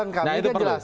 nah itu perlu